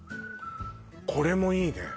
これもいいね